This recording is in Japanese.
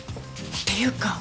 っていうか